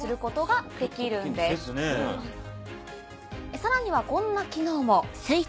さらにはこんな機能も。